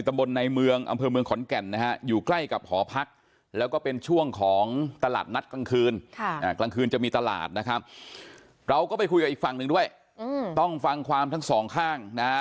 แต่ว่าจะเป็นคนรู้จักกับรุ่นพี่นู้นว่าค่ะ